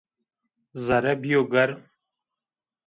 Zere bîyo germ